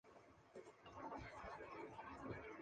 护城河周一千五百九十一丈五尺。